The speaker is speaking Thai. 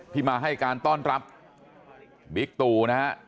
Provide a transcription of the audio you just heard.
ที่มาให้การต้อนรับบิ๊กตู่นะฮะ